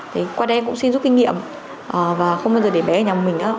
thế qua đây em cũng xin giúp kinh nghiệm và không bao giờ để bé ở nhà một mình nữa